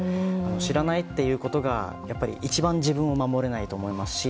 知らないっていうことが一番自分を守れないと思いますし